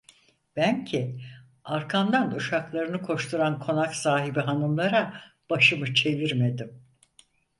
Ben ki, arkamdan uşaklarını koşturan konak sahibi hanımlara başımı çevirmedim.